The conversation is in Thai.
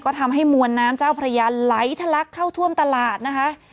ก็ทำให้มวลน้ำเจ้าพระยาไหลทะลักเข้าท่วมตลาดนะคะ